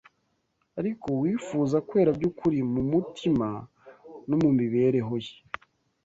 Ariko uwifuza kwera by’ukuri mu mutima no mu mibereho ye